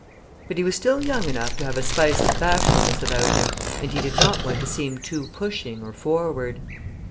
But he was still young enough to have a spice of bashfulness about him, and he did not want to seem too pushing or forward.